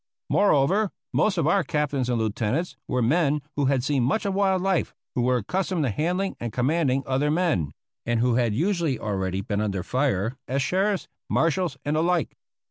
Moreover, most of our captains and lieutenants were men who had seen much of wild life, who were accustomed to handling and commanding other men, and who had usually already been under fire as sheriffs, marshals, and the like.